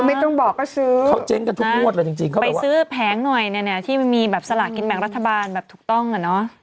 ไม่ต้องบอกก็ซื้อนะไปซื้อแผงหน่อยเนี่ยที่มีแบบสละคิดแบบรัฐบาลแบบถูกต้องอะเนาะ